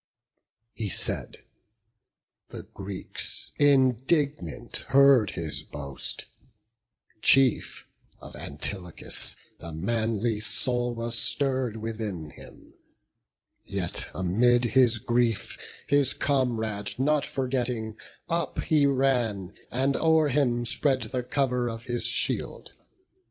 He said; the Greeks, indignant, heard his boast; Chief, of Antilochus the manly soul Was stirr'd within him; yet amid his grief His comrade not forgetting, up he ran, And o'er him spread the cover of his shield.